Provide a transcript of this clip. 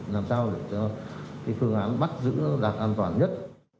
làm sao để cho cái phương án bắt giữ nó đạt an toàn nhất